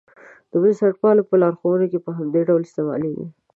د بنسټپالو په لارښوونو کې په همدې ډول استعمالېږي.